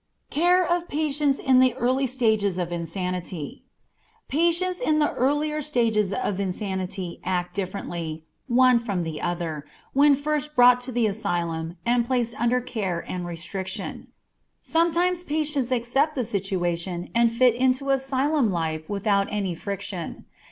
Care of Patients in the Earlier Stages of Insanity. Patients in the earlier stages of insanity act differently, one from the other, when first brought to the asylum and placed under care and restriction. Sometimes patients accept the situation and fit into asylum life without any friction.